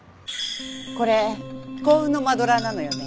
これ幸運のマドラーなのよね？